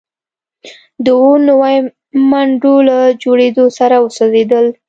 د اووه نوي منډو له جوړیدو سره وسوځیدل